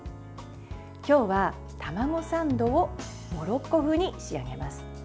今日は卵サンドをモロッコ風に仕上げます。